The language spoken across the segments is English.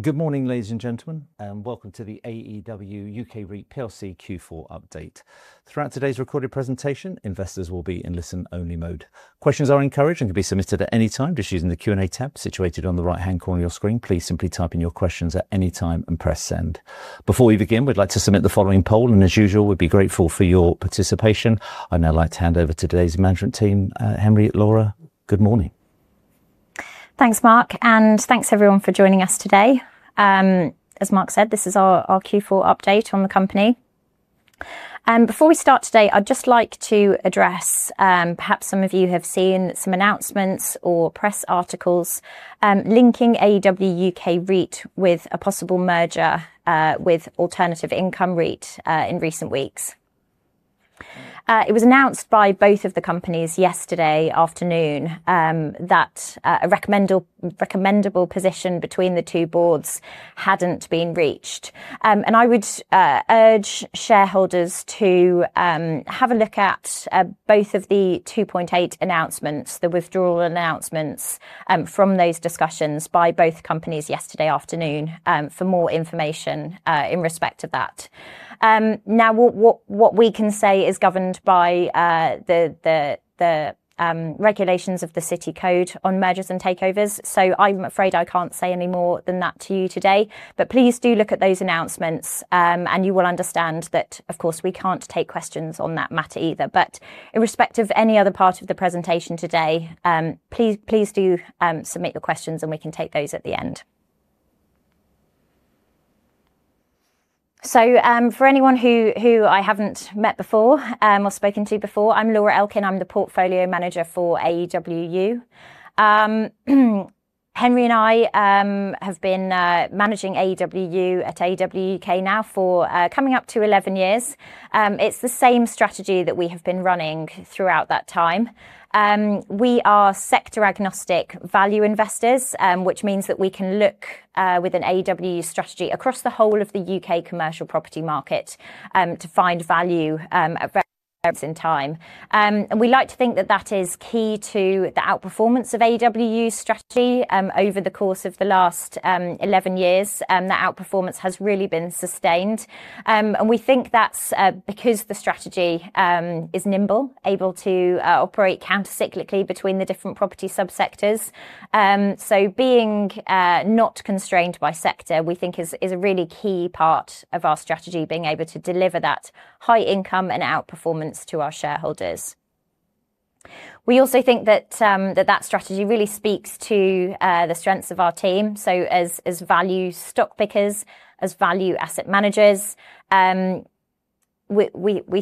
Good morning, ladies and gentlemen, and welcome to the AEW UK REIT plc Q4 update. Throughout today's recorded presentation, investors will be in listen-only mode. Questions are encouraged and can be submitted at any time just using the Q&A tab situated on the right-hand corner of your screen. Please simply type in your questions at any time and press send. Before we begin, we'd like to submit the following poll, and as usual, we'd be grateful for your participation. I'd now like to hand over to today's management team. Henry, Laura, good morning. Thanks, Mark, and thanks everyone for joining us today. As Mark said, this is our Q4 update on the company. Before we start today, I'd just like to address, perhaps some of you have seen some announcements or press articles linking AEW UK REIT with a possible merger with Alternative Income REIT in recent weeks. It was announced by both of the companies yesterday afternoon that a recommended position between the two Boards hadn't been reached. I would urge shareholders to have a look at both of the Rule 2.8 announcements, the withdrawal announcements from those discussions by both companies yesterday afternoon for more information in respect to that. Now, what we can say is governed by the regulations of the City Code on Mergers and Takeovers. I'm afraid I can't say any more than that to you today, but please do look at those announcements, and you will understand that, of course, we can't take questions on that matter either. In respect of any other part of the presentation today, please do submit your questions, and we can take those at the end. For anyone who I haven't met before or spoken to before, I'm Laura Elkin. I'm the portfolio manager for AEW UK. Henry and I have been managing AEW at AEW UK now for coming up to 11 years. It's the same strategy that we have been running throughout that time. We are sector-agnostic value investors, which means that we can look with an AEW strategy across the whole of the U.K. commercial property market to find value at various points in time. We like to think that that is key to the outperformance of AEW's strategy over the course of the last 11 years. That outperformance has really been sustained. We think that's because the strategy is nimble, able to operate countercyclically between the different property subsectors. Being not constrained by sector, we think is a really key part of our strategy, being able to deliver that high income and outperformance to our shareholders. We also think that that strategy really speaks to the strengths of our team. As value stock pickers, as value asset managers, we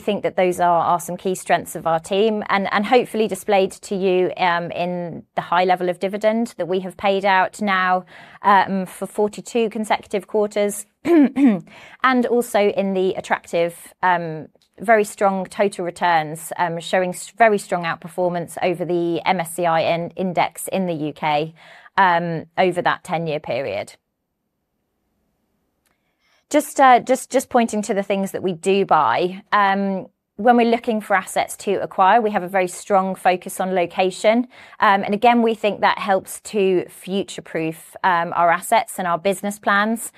think that those are some key strengths of our team, and hopefully displayed to you in the high level of dividend that we have paid out now for 42 consecutive quarters and also in the attractive, very strong total returns, showing very strong outperformance over the MSCI index in the U.K. over that 10-year period. Just pointing to the things that we do buy. When we're looking for assets to acquire, we have a very strong focus on location. Again, we think that helps to future-proof our assets and our business plans.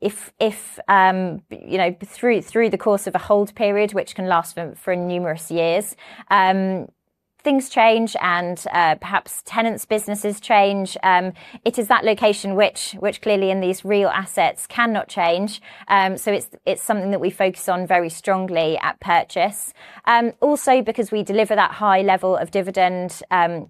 If through the course of a hold period, which can last for numerous years, things change and perhaps tenants' businesses change, it is that location which clearly in these real assets cannot change. It's something that we focus on very strongly at purchase. Because we deliver that high level of dividend,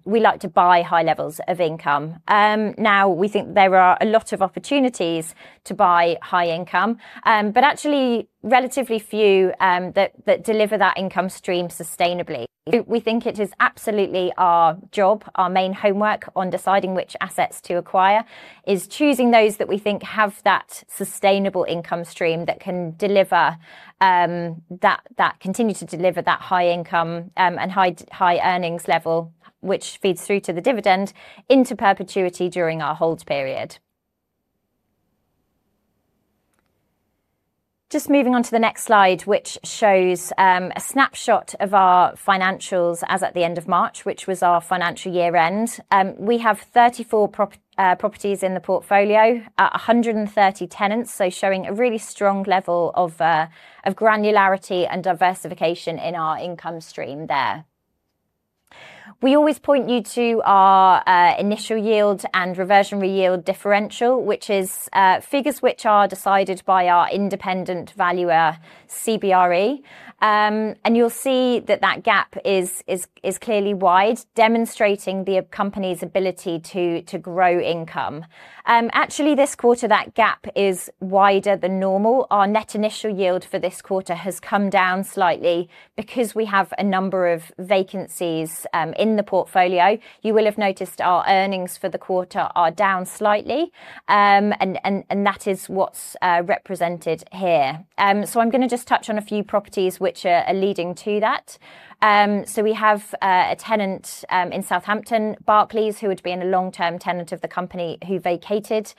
we like to buy high levels of income. Now, we think there are a lot of opportunities to buy high income, but actually relatively few that deliver that income stream sustainably. We think it is absolutely our job, our main homework on deciding which assets to acquire, is choosing those that we think have that sustainable income stream that can continue to deliver that high income and high earnings level, which feeds through to the dividend into perpetuity during our hold period. Just moving on to the next slide, which shows a snapshot of our financials as at the end of March, which was our financial year end. We have 34 properties in the portfolio, 130 tenants, showing a really strong level of granularity and diversification in our income stream there. We always point you to our initial yield and reversionary yield differential, which is figures which are decided by our independent valuer, CBRE. You'll see that that gap is clearly wide, demonstrating the company's ability to grow income. Actually, this quarter, that gap is wider than normal. Our net initial yield for this quarter has come down slightly because we have a number of vacancies in the portfolio. You will have noticed our earnings for the quarter are down slightly, and that is what's represented here. I'm going to just touch on a few properties which are leading to that. We have a tenant in Southampton, Barclays, who would have been a long-term tenant of the company, who vacated.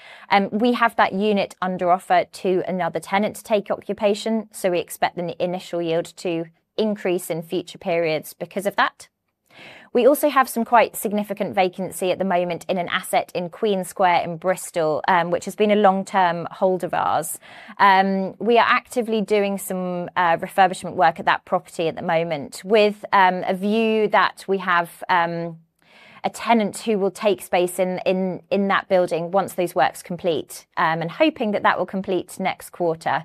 We have that unit under offer to another tenant to take occupation. We expect the initial yield to increase in future periods because of that. We also have some quite significant vacancy at the moment in an asset in Queen Square in Bristol, which has been a long-term hold of ours. We are actively doing some refurbishment work at that property at the moment with a view that we have a tenant who will take space in that building once those works complete, and hoping that will complete next quarter.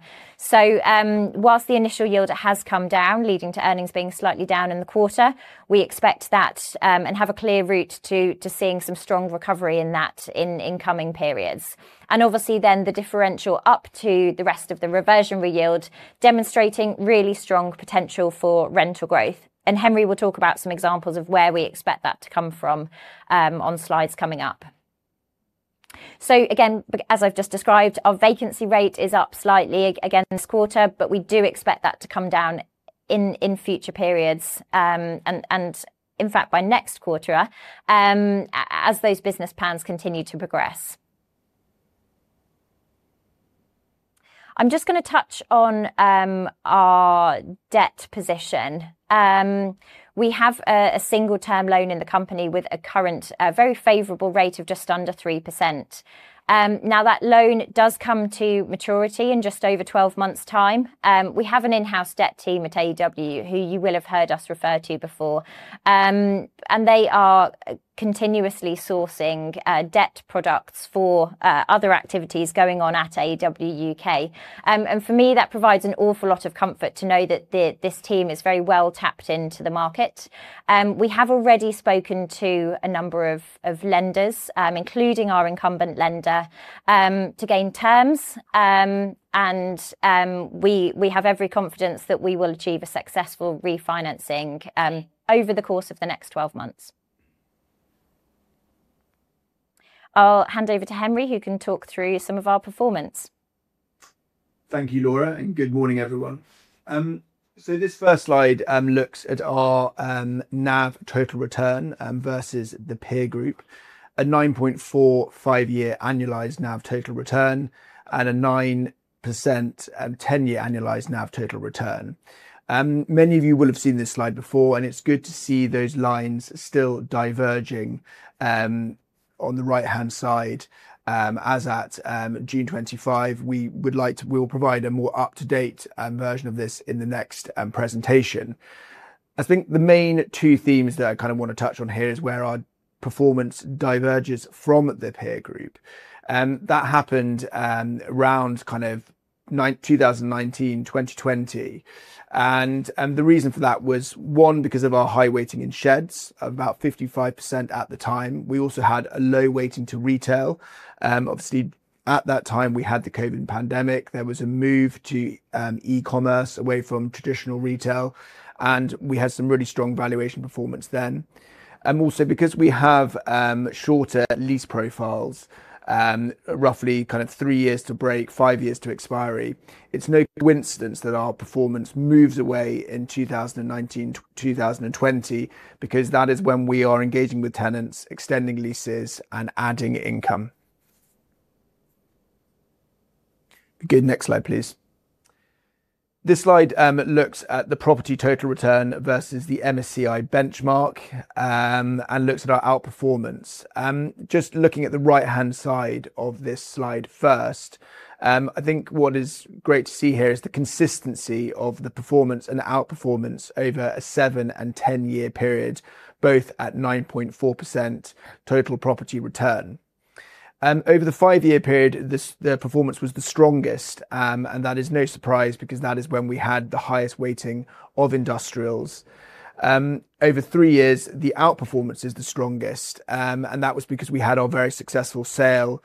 While the initial yield has come down, leading to earnings being slightly down in the quarter, we expect that and have a clear route to seeing some strong recovery in that in coming periods. Obviously then the differential up to the rest of the reversionary yield, demonstrating really strong potential for rental growth. Henry will talk about some examples of where we expect that to come from on slides coming up. Again, as I've just described, our vacancy rate is up slightly again this quarter, but we do expect that to come down in future periods. In fact, by next quarter, as those business plans continue to progress. I'm just going to touch on our debt position. We have a single term loan in the company with a current very favorable rate of just under 3%. Now, that loan does come to maturity in just over 12 months' time. We have an in-house debt team at AEW, who you will have heard us refer to before. They are continuously sourcing debt products for other activities going on at AEW UK. For me, that provides an awful lot of comfort to know that this team is very well tapped into the market. We have already spoken to a number of lenders, including our incumbent lender, to gain terms. We have every confidence that we will achieve a successful refinancing over the course of the next 12 months. I'll hand over to Henry, who can talk through some of our performance. Thank you, Laura, and good morning, everyone. This first slide looks at our NAV total return versus the peer group. A 9.45-year annualized NAV total return and a 9% 10-year annualized NAV total return. Many of you will have seen this slide before, and it's good to see those lines still diverging on the right-hand side as at June 25. We will provide a more up-to-date version of this in the next presentation. I think the main two themes that I kind of want to touch on here is where our performance diverges from the peer group. That happened around 2019, 2020. The reason for that was, one, because of our high weighting in sheds, about 55% at the time. We also had a low weighting to retail. Obviously, at that time, we had the COVID pandemic. There was a move to e-commerce away from traditional retail, and we had some really strong valuation performance then. Also, because we have shorter lease profiles, roughly kind of three years to break, five years to expiry, it's no coincidence that our performance moves away in 2019 to 2020, because that is when we are engaging with tenants, extending leases and adding income. Good. Next slide, please. This slide looks at the property total return versus the MSCI benchmark, and looks at our outperformance. Just looking at the right-hand side of this slide first, I think what is great to see here is the consistency of the performance and outperformance over a seven and 10-year period, both at 9.4% total property return. Over the five-year period, the performance was the strongest, and that is no surprise because that is when we had the highest weighting of industrials. Over three years, the outperformance is the strongest, and that was because we had our very successful sale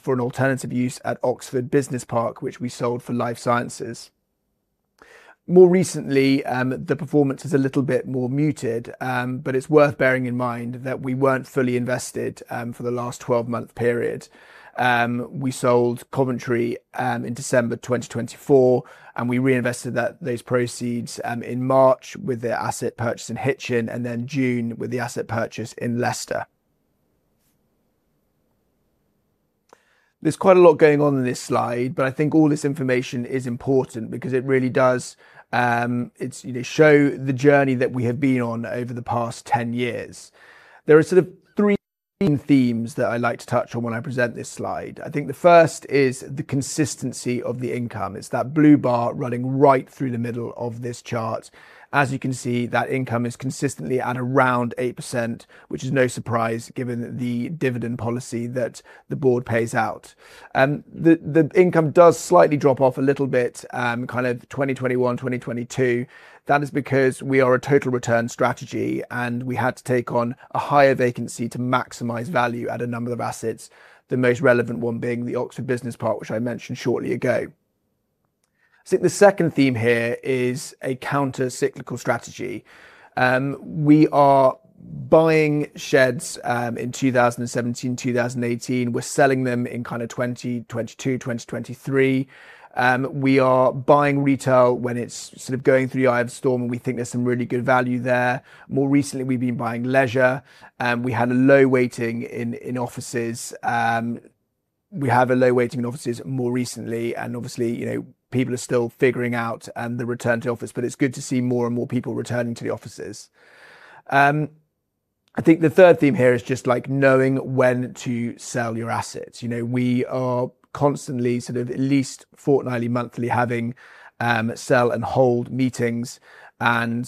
for an alternative use at Oxford Business Park, which we sold for life sciences. More recently, the performance is a little bit more muted, but it's worth bearing in mind that we weren't fully invested for the last 12-month period. We sold Coventry in December 2024, and we reinvested those proceeds in March with the asset purchase in Hitchin, and then June with the asset purchase in Leicester. There's quite a lot going on in this slide, but I think all this information is important because it really does show the journey that we have been on over the past 10 years. There are sort of three main themes that I like to touch on when I present this slide. I think the first is the consistency of the income. It's that blue bar running right through the middle of this chart. As you can see, that income is consistently at around 8%, which is no surprise given the dividend policy that the board pays out. The income does slightly drop off a little bit in 2021, 2022. That is because we are a total return strategy, and we had to take on a higher vacancy to maximize value at a number of assets, the most relevant one being the Oxford Business Park, which I mentioned a short time ago. I think the second theme here is a counter-cyclical strategy. We are buying sheds in 2017, 2018. We're selling them in 2022, 2023. We are buying retail when it's sort of going through the eye of the storm, and we think there's some really good value there. More recently, we've been buying leisure. We have a low weighting in offices more recently, and obviously, people are still figuring out the return to office, but it's good to see more and more people returning to the offices. I think the third theme here is just knowing when to sell your assets. We are constantly sort of at least fortnightly, monthly having sell and hold meetings, and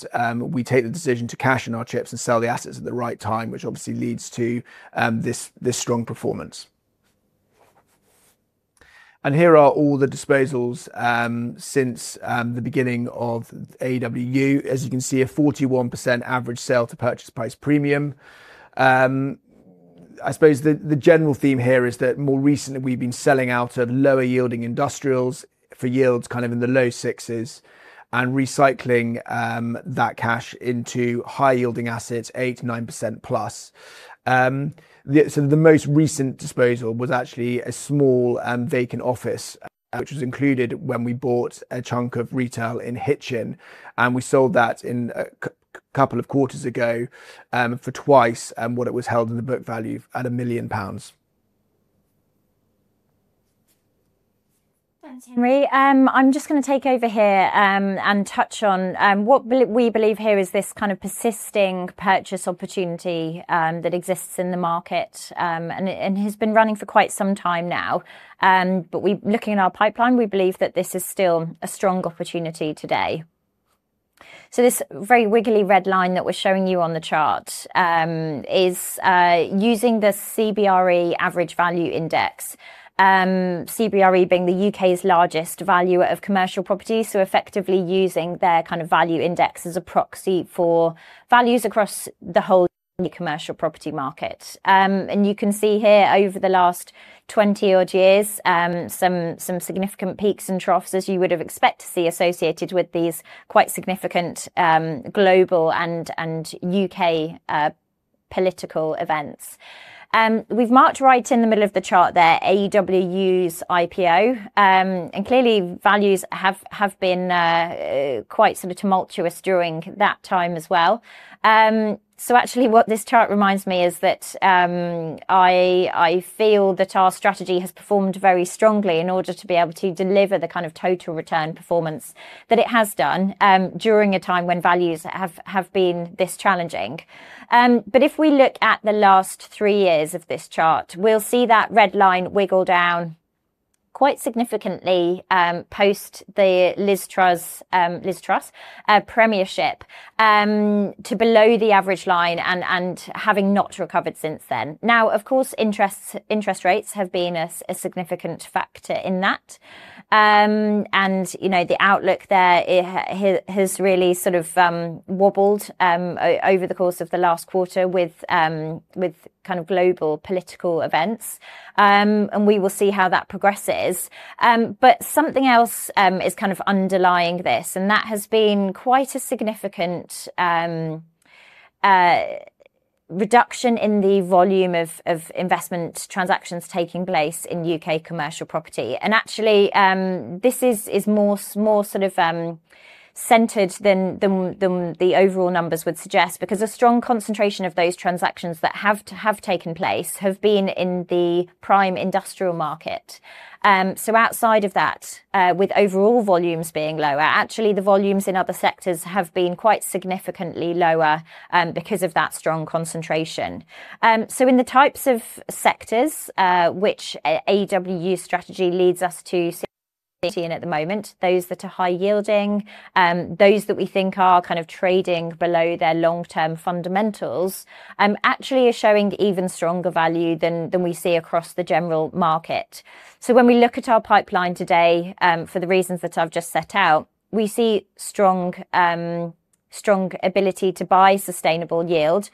we take the decision to cash in our chips and sell the assets at the right time, which obviously leads to this strong performance. Here are all the disposals since the beginning of AEW. As you can see, a 41% average sale to purchase price premium. I suppose the general theme here is that more recently we've been selling out of lower yielding industrials for yields kind of in the low 6% and recycling that cash into high yielding assets, 8%-9%+. The most recent disposal was actually a small vacant office, which was included when we bought a chunk of retail in Hitchin, and we sold that a couple of quarters ago for twice what it was held at book value at 1 million pounds. Thanks, Henry. I'm just going to take over here and touch on what we believe here is this kind of persisting purchase opportunity that exists in the market, has been running for quite some time now. Looking at our pipeline, we believe that this is still a strong opportunity today. This very wiggly red line that we're showing you on the chart is using the CBRE Average Value Index, CBRE being the U.K.'s largest valuer of commercial property, so effectively using their kind of value index as a proxy for values across the whole commercial property market. You can see here over the last 20-odd years, some significant peaks and troughs as you would have expected to see associated with these quite significant global and U.K. political events. We've marked right in the middle of the chart there, AEW UK's IPO. Clearly values have been quite sort of tumultuous during that time as well. Actually what this chart reminds me of is that, I feel that our strategy has performed very strongly in order to be able to deliver the kind of total return performance that it has done during a time when values have been this challenging. If we look at the last three years of this chart, we'll see that red line wiggle down quite significantly, post the Liz Truss premiership, to below the average line and having not recovered since then. Of course, interest rates have been a significant factor in that. The outlook there has really sort of wobbled over the course of the last quarter with kind of global political events. We will see how that progresses. Something else is kind of underlying this, and that has been quite a significant reduction in the volume of investment transactions taking place in U.K. commercial property. Actually, this is more sort of centered than the overall numbers would suggest because a strong concentration of those transactions that have taken place have been in the prime industrial market. Outside of that, with overall volumes being lower, actually the volumes in other sectors have been quite significantly lower because of that strong concentration. In the types of sectors, which AEW's strategy leads us to at the moment, those that are high yielding, those that we think are kind of trading below their long-term fundamentals, actually are showing even stronger value than we see across the general market. When we look at our pipeline today, for the reasons that I've just set out, we see strong ability to buy sustainable yield,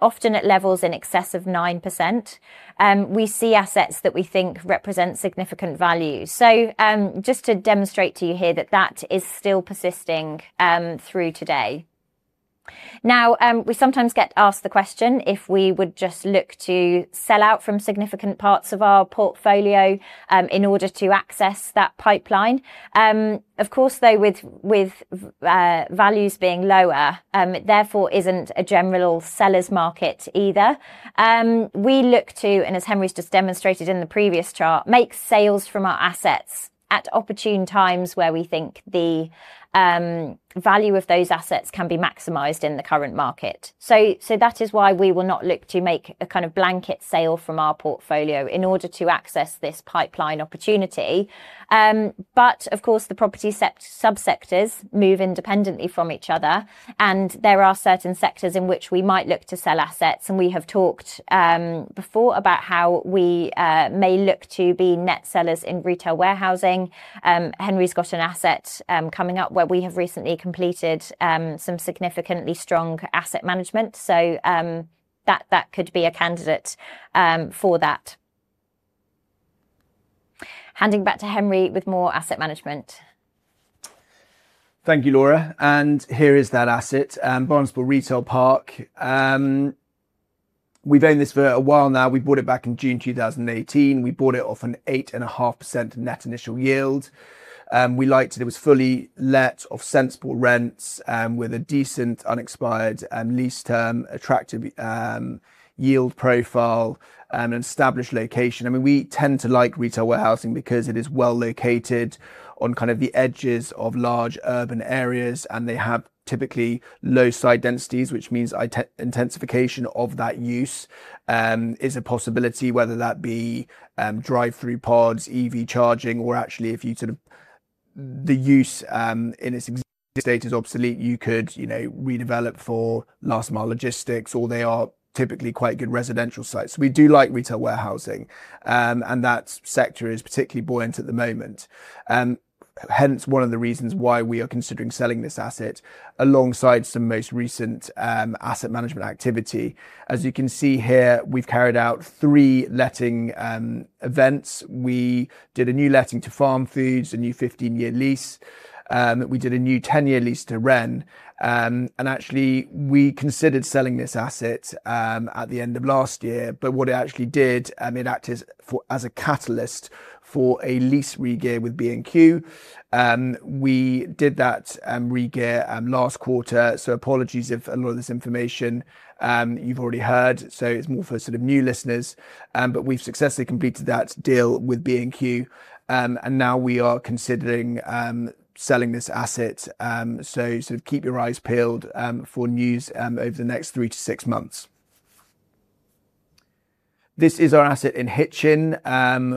often at levels in excess of 9%. We see assets that we think represent significant value. Just to demonstrate to you here that that is still persisting through today. Now, we sometimes get asked the question if we would just look to sell out from significant parts of our portfolio in order to access that pipeline. Of course, though, with values being lower, it therefore isn't a general seller's market either. We look to, and as Henry's just demonstrated in the previous chart, make sales from our assets at opportune times where we think the value of those assets can be maximized in the current market. That is why we will not look to make a kind of blanket sale from our portfolio in order to access this pipeline opportunity. Of course, the property sub-sectors move independently from each other, and there are certain sectors in which we might look to sell assets, and we have talked before about how we may look to be net sellers in retail warehousing. Henry's got an asset coming up where we have recently completed some significantly strong asset management. That could be a candidate for that. Handing back to Henry with more asset management. Thank you, Laura, and here is that asset, Barnsley Retail Park. We've owned this for a while now. We bought it back in June 2018. We bought it at an 8.5% net initial yield. We liked it. It was fully let at sensible rents, with a decent unexpired lease term, attractive yield profile, and an established location. We tend to like retail warehousing because it is well-located on the edges of large urban areas, and they have typically low site densities, which means intensification of that use is a possibility, whether that be drive-through pods, EV charging, or actually if the use in its existing state is obsolete, you could redevelop for last-mile logistics, or they are typically quite good residential sites. We do like retail warehousing, and that sector is particularly buoyant at the moment. Hence, one of the reasons why we are considering selling this asset alongside some of the most recent asset management activity. As you can see here, we've carried out three letting events. We did a new letting to Farmfoods, a new 15-year lease. We did a new 10-year lease to Wren. Actually, we considered selling this asset at the end of last year, but what it actually did, it acted as a catalyst for a lease regear with B&Q. We did that regear last quarter, so apologies if a lot of this information you've already heard. It's more for new listeners. We've successfully completed that deal with B&Q, and now we are considering selling this asset. Keep your eyes peeled for news over the next 3-6 months. This is our asset in Hitchin.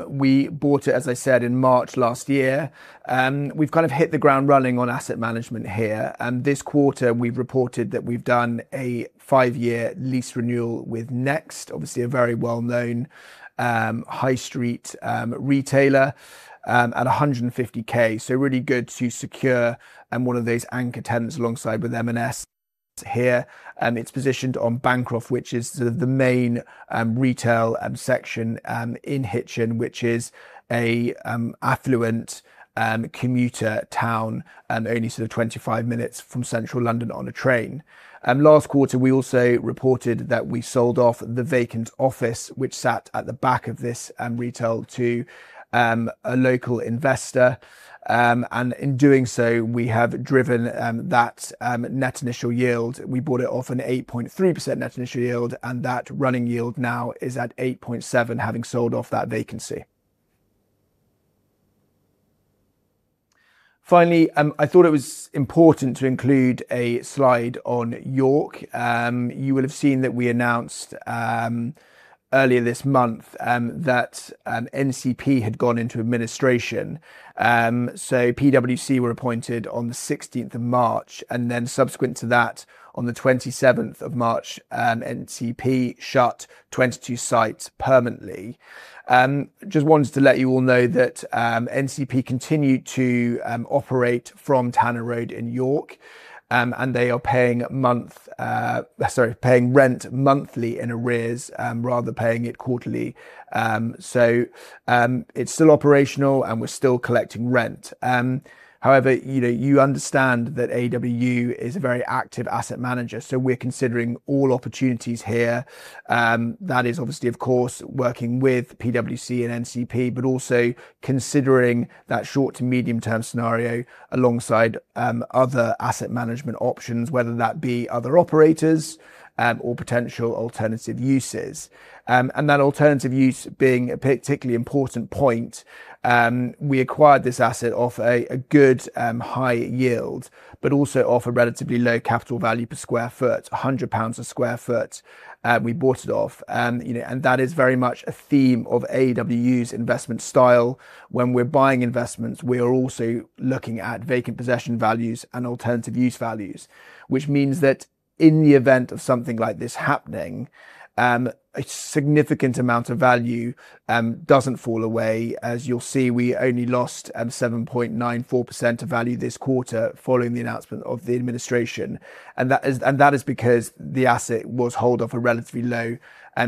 We bought it, as I said, in March last year. We've hit the ground running on asset management here. This quarter, we've reported that we've done a five-year lease renewal with Next, obviously a very well-known high street retailer, at 150,000. Really good to secure one of those anchor tenants alongside with M&S here. It's positioned on Bancroft, which is the main retail section in Hitchin, which is an affluent commuter town, only 25 minutes from Central London on a train. Last quarter, we also reported that we sold off the vacant office, which sat at the back of this retail to a local investor. In doing so, we have driven that net initial yield. We bought it at an 8.3% net initial yield, and that running yield now is at 8.7%, having sold off that vacancy. Finally, I thought it was important to include a slide on York. You will have seen that we announced earlier this month that NCP had gone into administration. PwC were appointed on the 16th of March, and then subsequent to that, on the 27th of March, NCP shut 22 sites permanently. Just wanted to let you all know that NCP continue to operate from Tanner Row in York, and they are paying rent monthly in arrears, rather than paying it quarterly. It's still operational, and we're still collecting rent. However, you understand that AEW is a very active asset manager, so we're considering all opportunities here. That is obviously, of course, working with PwC and NCP, but also considering that short to medium-term scenario alongside other asset management options, whether that be other operators or potential alternative uses. That alternative use being a particularly important point. We acquired this asset at a good high yield, but also at a relatively low capital value per square foot, 100 pounds per square foot, we bought it at. That is very much a theme of AEW's investment style. When we're buying investments, we are also looking at vacant possession values and alternative use values, which means that in the event of something like this happening, a significant amount of value doesn't fall away. As you'll see, we only lost 7.94% of value this quarter following the announcement of the administration. That is because the asset was bought at a relatively low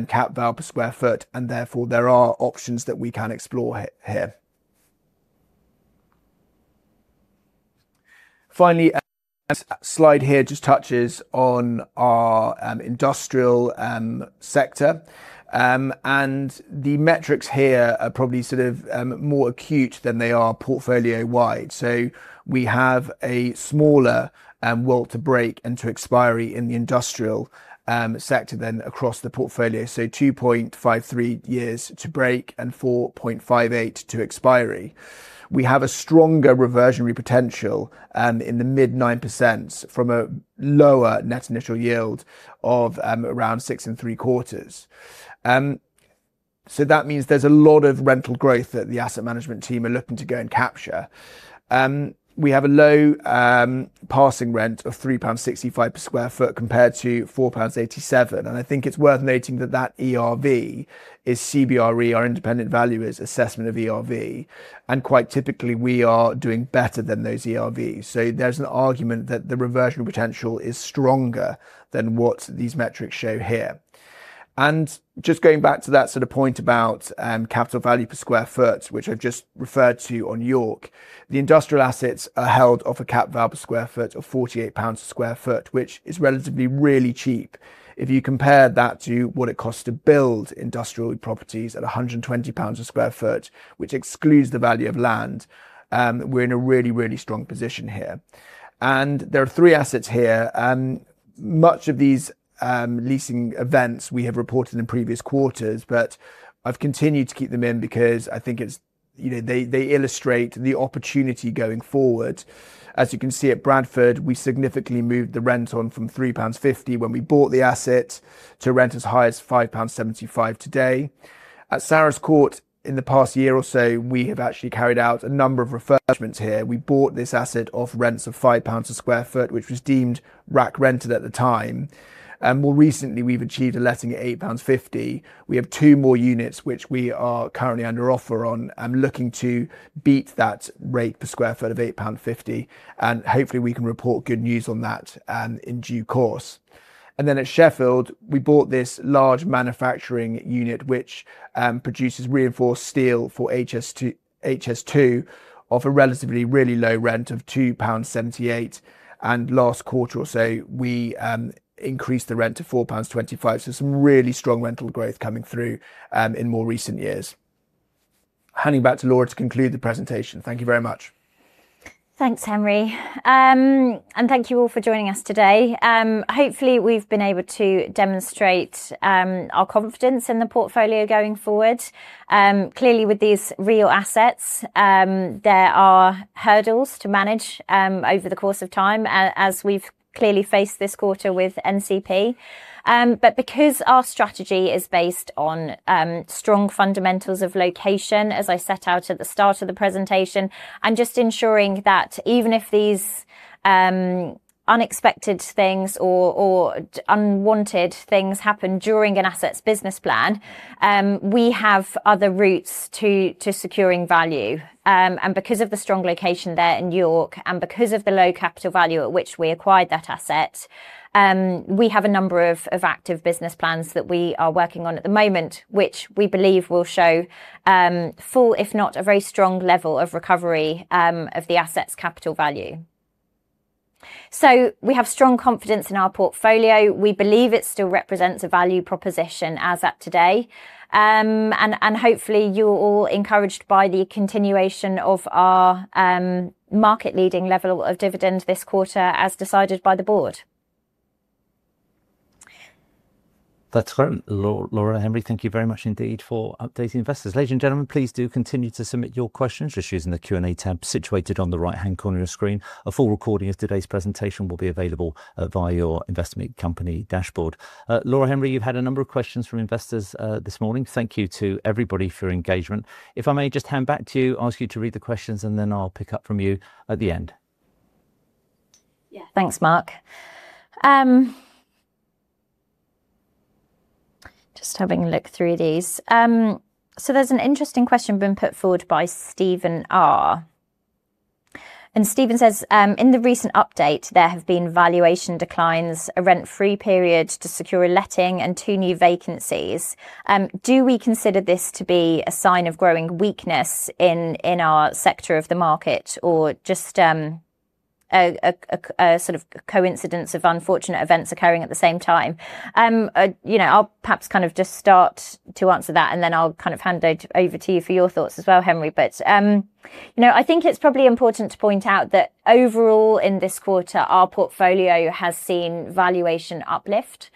cap val per square foot, and therefore there are options that we can explore here. Finally, this slide here just touches on our industrial sector. The metrics here are probably more acute than they are portfolio-wide. We have a smaller WAULT to break and to expiry in the industrial sector than across the portfolio. 2.53 years to break and 4.58 years to expiry. We have a stronger reversionary potential in the mid-9% from a lower net initial yield of around 6.75%. That means there's a lot of rental growth that the asset management team are looking to go and capture. We have a low passing rent of 3.65 pounds per square foot compared to 4.87 pounds per square foot. I think it's worth noting that that ERV is CBRE, our independent valuer's assessment of ERV. Quite typically, we are doing better than those ERVs. There's an argument that the reversion potential is stronger than what these metrics show here. Just going back to that point about capital value per square foot, which I've just referred to on York, the industrial assets are held at a cap val per square foot of 48 pounds a square foot, which is relatively really cheap. If you compare that to what it costs to build industrial properties at 120 pounds a square foot, which excludes the value of land, we're in a really, really strong position here. There are three assets here. Much of these leasing events we have reported in previous quarters, but I've continued to keep them in because I think they illustrate the opportunity going forward. As you can see at Bradford, we significantly moved the rent on from 3.50 pounds, when we bought the asset, to rent as high as 5.75 pounds today. At Sarus Court Court, in the past year or so, we have actually carried out a number of refurbishments here. We bought this asset off rents of 5 pounds a square foot, which was deemed rack rented at the time. More recently, we've achieved a letting at 8.50 pounds. We have two more units which we are currently under offer on and looking to beat that rate per square foot of 8.50 pound. Hopefully, we can report good news on that, in due course. At Sheffield, we bought this large manufacturing unit, which produces reinforced steel for HS2, off a relatively really low rent of 2.78 pounds. Last quarter or so, we increased the rent to 4.25 pounds. Some really strong rental growth coming through, in more recent years. Handing back to Laura to conclude the presentation. Thank you very much. Thanks, Henry. Thank you all for joining us today. Hopefully we've been able to demonstrate our confidence in the portfolio going forward. Clearly with these real assets, there are hurdles to manage over the course of time, as we've clearly faced this quarter with NCP. Because our strategy is based on strong fundamentals of location, as I set out at the start of the presentation, and just ensuring that even if these unexpected things or unwanted things happen during an assets business plan, we have other routes to securing value. Because of the strong location there in York and because of the low capital value at which we acquired that asset, we have a number of active business plans that we are working on at the moment, which we believe will show full, if not a very strong level of recovery, of the assets' capital value. We have strong confidence in our portfolio. We believe it still represents a value proposition as at today. Hopefully you're all encouraged by the continuation of our market-leading level of dividend this quarter, as decided by the Board. That's great. Laura, Henry, thank you very much indeed for updating investors. Ladies and gentlemen, please do continue to submit your questions just using the Q&A tab situated on the right-hand corner of your screen. A full recording of today's presentation will be available via your investment company dashboard. Laura, Henry, you've had a number of questions from investors this morning. Thank you to everybody for your engagement. If I may just hand back to you, ask you to read the questions, and then I'll pick up from you at the end. Yeah. Thanks, Mark. Just having a look through these. There's an interesting question been put forward by Steven R. Steven says, "In the recent update, there have been valuation declines, a rent-free period to secure a letting, and two new vacancies. Do we consider this to be a sign of growing weakness in our sector of the market or just a sort of coincidence of unfortunate events occurring at the same time?" I'll perhaps kind of just start to answer that, and then I'll kind of hand it over to you for your thoughts as well, Henry. I think it's probably important to point out that overall in this quarter, our portfolio has seen valuation uplift.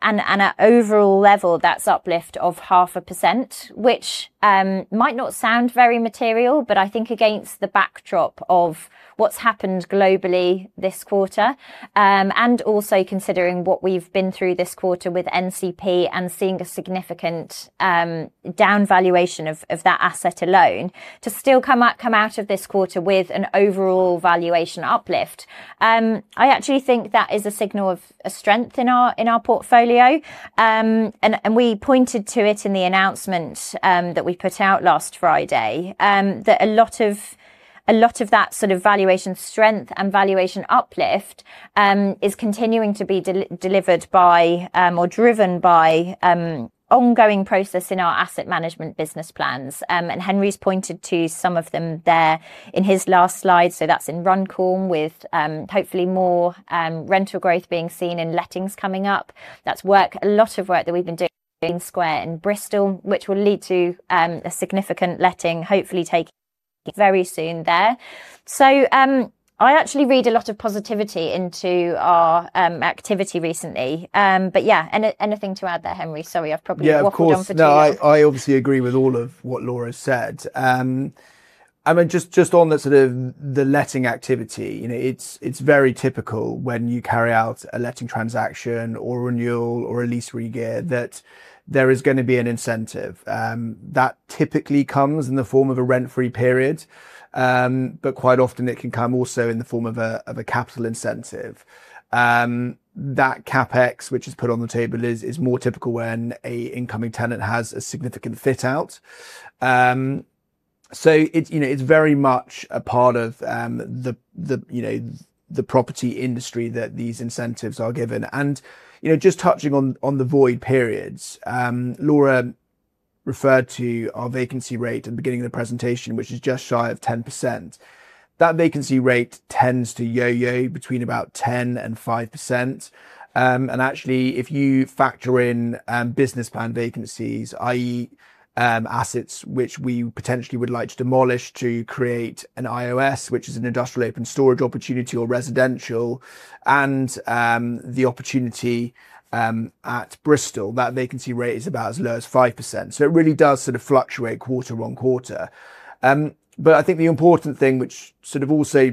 At an overall level, that's uplift of 0.5%, which might not sound very material, but I think against the backdrop of what's happened globally this quarter, and also considering what we've been through this quarter with NCP and seeing a significant down valuation of that asset alone, to still come out of this quarter with an overall valuation uplift, I actually think that is a signal of a strength in our portfolio. We pointed to it in the announcement that we put out last Friday, that a lot of that sort of valuation strength and valuation uplift is continuing to be delivered by or driven by ongoing progress in our asset management business plans. Henry's pointed to some of them there in his last slide. That's in Runcorn, with hopefully more rental growth being seen in lettings coming up. That's a lot of work that we've been doing in Square in Bristol, which will lead to a significant letting, hopefully taking very soon there. I actually read a lot of positivity into our activity recently. Yeah, anything to add there, Henry? Sorry. I've probably waffled on for two hours. Yeah, of course. No. I obviously agree with all of what Laura said. Just on the sort of the letting activity. It's very typical when you carry out a letting transaction or renewal or a lease regear, that there is going to be an incentive. That typically comes in the form of a rent-free period. But quite often it can come also in the form of a capital incentive. That CapEx which is put on the table is more typical when a incoming tenant has a significant fit-out. So it's very much a part of the property industry that these incentives are given. Just touching on the void periods. Laura. Refer to our vacancy rate at the beginning of the presentation, which is just shy of 10%. That vacancy rate tends to yo-yo between about 10% and 5%. Actually, if you factor in business plan vacancies, i.e., assets which we potentially would like to demolish to create an IOS, which is an industrial open storage opportunity or residential, and the opportunity at Bristol, that vacancy rate is about as low as 5%. It really does sort of fluctuate quarter-over-quarter. I think the important thing, which sort of also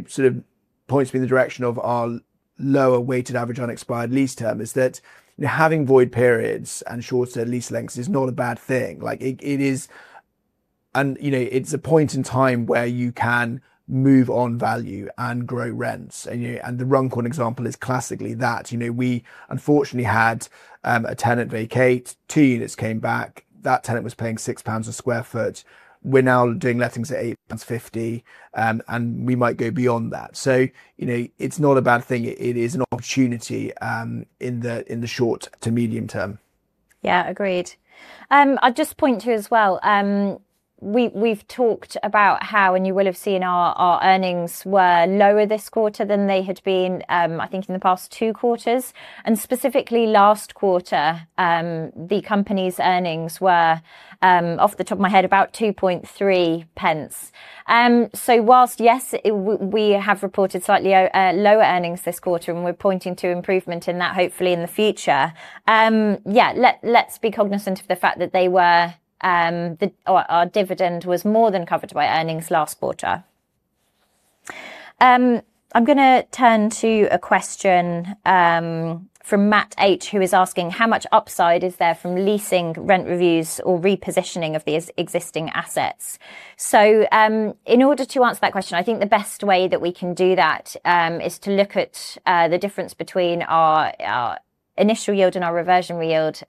points me in the direction of our lower weighted average unexpired lease term, is that having void periods and shorter lease lengths is not a bad thing. It's a point in time where you can move on value and grow rents. The Runcorn example is classically that. We unfortunately had a tenant vacate, two units came back. That tenant was paying 6 pounds per square foot. We're now doing lettings at 8.50 pounds per square foot, and we might go beyond that. It's not a bad thing. It is an opportunity in the short to medium term. Yeah. Agreed. I'd just point to as well, we've talked about how, and you will have seen our earnings were lower this quarter than they had been, I think, in the past two quarters. Specifically last quarter, the company's earnings were, off the top of my head, about 0.023. While, yes, we have reported slightly lower earnings this quarter, and we're pointing to improvement in that hopefully in the future, yeah, let's be cognizant of the fact that our dividend was more than covered by earnings last quarter. I'm going to turn to a question from Matt H., who is asking, "How much upside is there from leasing rent reviews or repositioning of the existing assets?" In order to answer that question, I think the best way that we can do that is to look at the difference between our initial yield and our reversionary yield,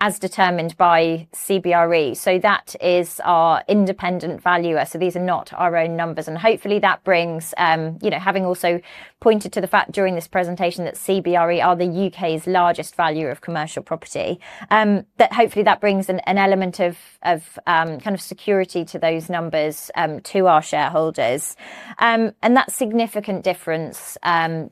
as determined by CBRE. That is our independent valuer. These are not our own numbers, and hopefully that brings, having also pointed to the fact during this presentation that CBRE are the U.K.'s largest valuer of commercial property, that hopefully that brings an element of kind of security to those numbers to our shareholders. That significant difference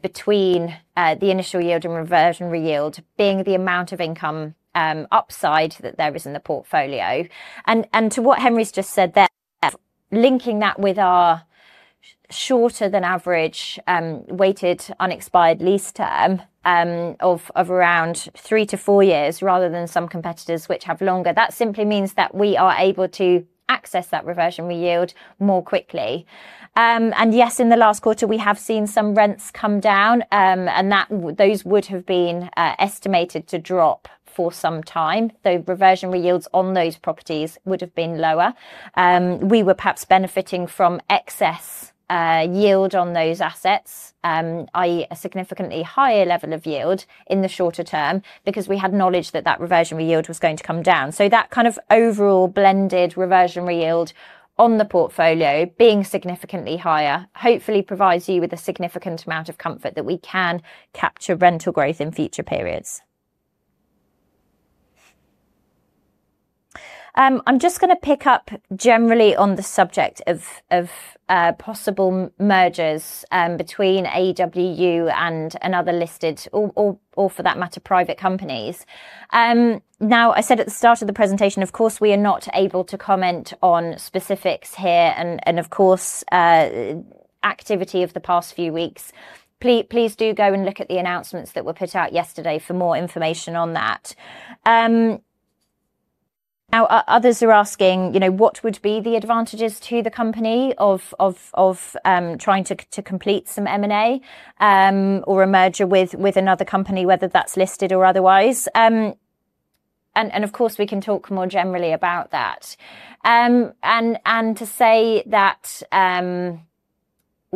between the initial yield and reversionary yield being the amount of income upside that there is in the portfolio. To what Henry's just said there, linking that with our shorter than average weighted unexpired lease term of around 3-4 years, rather than some competitors which have longer. That simply means that we are able to access that reversionary yield more quickly. Yes, in the last quarter, we have seen some rents come down, and those would have been estimated to drop for some time, though reversionary yields on those properties would have been lower. We were perhaps benefiting from excess yield on those assets, i.e., a significantly higher level of yield in the shorter term, because we had knowledge that that reversionary yield was going to come down. That kind of overall blended reversionary yield on the portfolio being significantly higher, hopefully provides you with a significant amount of comfort that we can capture rental growth in future periods. I'm just going to pick up generally on the subject of possible mergers between AEW and another listed, or for that matter, private companies. Now, I said at the start of the presentation, of course, we are not able to comment on specifics here and, of course, activity of the past few weeks. Please do go and look at the announcements that were put out yesterday for more information on that. Now, others are asking, what would be the advantages to the company of trying to complete some M&A or a merger with another company, whether that's listed or otherwise? Of course, we can talk more generally about that. To say that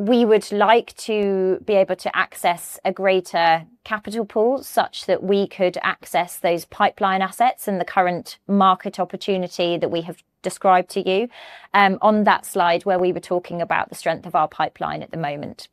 we would like to be able to access a greater capital pool, such that we could access those pipeline assets in the current market opportunity that we have described to you on that slide where we were talking about the strength of our pipeline at the moment.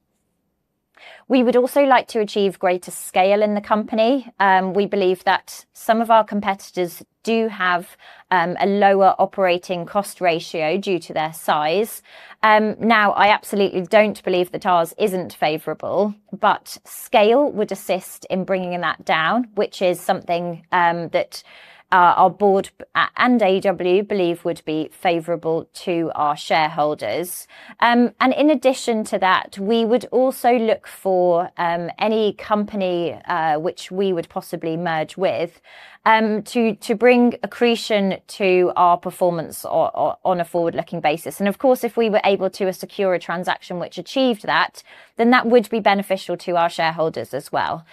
We would also like to achieve greater scale in the company. We believe that some of our competitors do have a lower operating cost ratio due to their size. Now, I absolutely don't believe that ours isn't favorable, but scale would assist in bringing that down, which is something that our board and AEW believe would be favorable to our shareholders. In addition to that, we would also look for any company which we would possibly merge with to bring accretion to our performance on a forward-looking basis. Of course, if we were able to secure a transaction which achieved that, then that would be beneficial to our shareholders as well.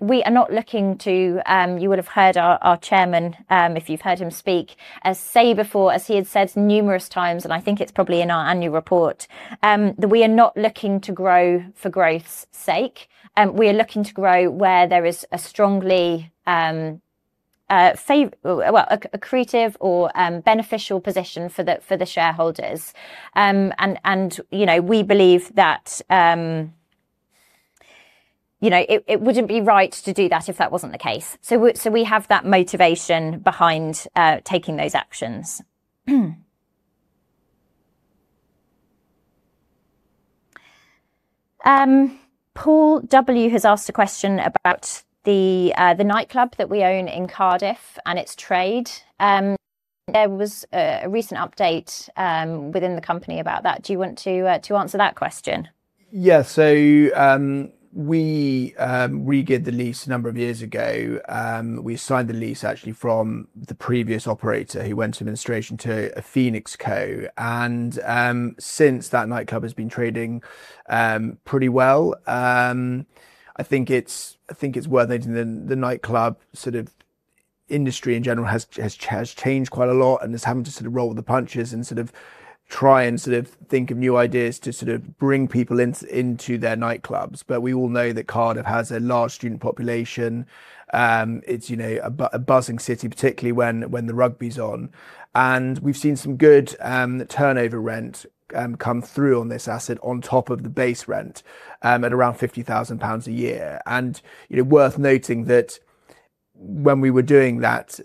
We are not looking to, you would have heard our chairman, if you've heard him speak, say before, as he has said numerous times, and I think it's probably in our annual report, that we are not looking to grow for growth's sake. We are looking to grow where there is a strongly accretive or beneficial position for the shareholders. We believe that it wouldn't be right to do that if that wasn't the case. We have that motivation behind taking those actions. Paul W. has asked a question about the nightclub that we own in Cardiff and its trade. There was a recent update within the company about that. Do you want to answer that question? Yeah. We re-did the lease a number of years ago. We signed the lease, actually, from the previous operator, who went into administration to a phoenix company, and since that nightclub has been trading pretty well. I think it's worth noting the nightclub industry, in general, has changed quite a lot and is having to sort of roll with the punches and try and think of new ideas to bring people into their nightclubs. We all know that Cardiff has a large student population. It's a buzzing city, particularly when the rugby's on. We've seen some good turnover rent come through on this asset on top of the base rent at around 50,000 pounds a year. Worth noting that when we were doing that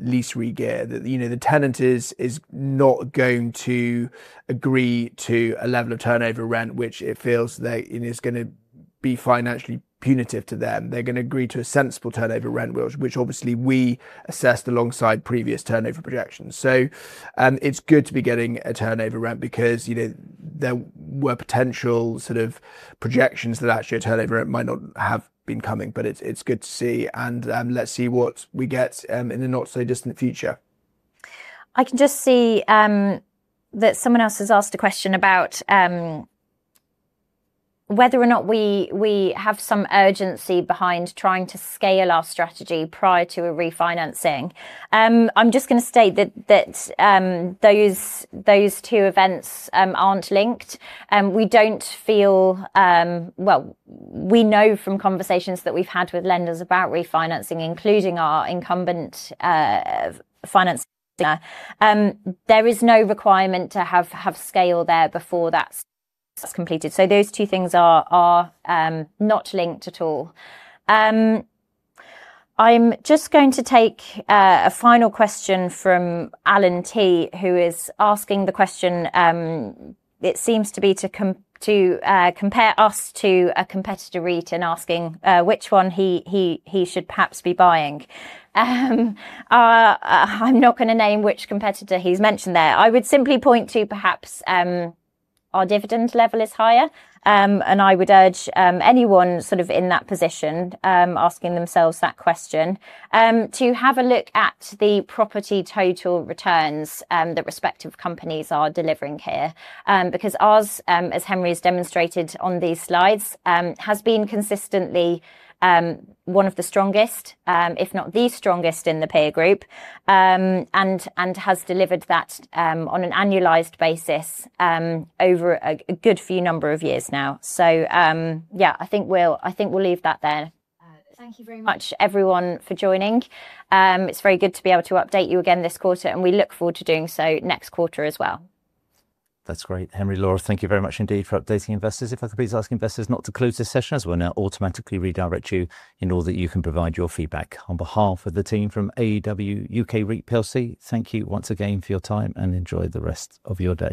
lease re-gear, the tenant is not going to agree to a level of turnover rent, which it feels is going to be financially punitive to them. They're going to agree to a sensible turnover rent, which obviously we assessed alongside previous turnover projections. It's good to be getting a turnover rent because there were potential projections that actually a turnover rent might not have been coming. It's good to see, and let's see what we get in the not-so-distant future. I can just see that someone else has asked a question about whether or not we have some urgency behind trying to scale our strategy prior to a refinancing. I'm just going to state that those two events aren't linked. We know from conversations that we've had with lenders about refinancing, including our incumbent finance provider. There is no requirement to have scale there before that's completed. Those two things are not linked at all. I'm just going to take a final question from Alan T., who is asking the question. It seems to compare us to a competitor REIT and asking which one he should perhaps be buying. I'm not going to name which competitor he's mentioned there. I would simply point to perhaps our dividend level is higher. I would urge anyone in that position, asking themselves that question, to have a look at the property total returns that respective companies are delivering here. Because ours, as Henry has demonstrated on these slides, has been consistently one of the strongest, if not the strongest, in the peer group, and has delivered that on an annualized basis over a good number of years now. Yeah, I think we'll leave that there. Thank you very much, everyone, for joining. It's very good to be able to update you again this quarter, and we look forward to doing so next quarter as well. That's great. Henry, Laura, thank you very much indeed for updating investors. If I could please ask investors not to close this session, as we'll now automatically redirect you in order that you can provide your feedback. On behalf of the team from AEW UK REIT plc, thank you once again for your time, and enjoy the rest of your day.